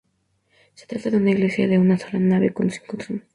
Se trata de una iglesia de una sola nave con cinco tramos.